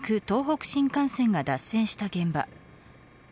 東北新幹線が脱線した現場。